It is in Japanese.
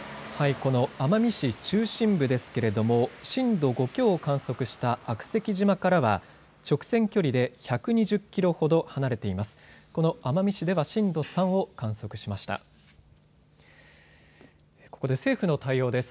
この奄美市中心部ですけど震度５強を観測した悪石島からは直線距離で１２０キロほど離れています。